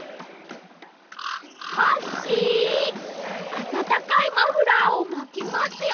あたたかいマフラーをまきますよ。